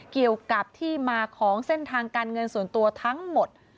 เกี่ยวกับที่มาของเส้นทางการเงินส่วนตัวทั้งหมด